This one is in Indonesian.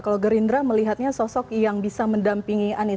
kalau gerindra melihatnya sosok yang bisa mendampingi anies